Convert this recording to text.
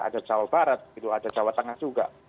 ada jawa barat gitu ada jawa tengah juga